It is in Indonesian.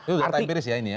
itu data empiris ya ini ya